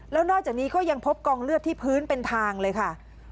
แล้วนอกจากนี้ก็ยังพบกองเลือดที่พื้นเป็นทางเลยค่ะ